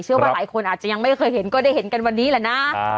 เชื่อว่าหลายคนอาจจะยังไม่เคยเห็นก็ได้เห็นกันวันนี้แหละนะ